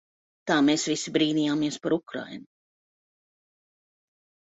Tā mēs visi brīnījāmies par Ukrainu.